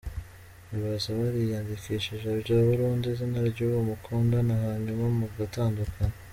Ibaze wariyandikishijeho bya burundu izina ry’uwo mukundana hanyuma mugatandukana ?!!!!.